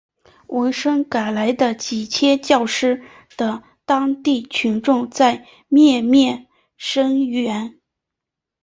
闻声赶来的几千教师的当地群众在面面声援。